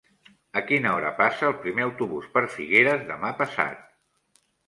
A quina hora passa el primer autobús per Figueres demà passat?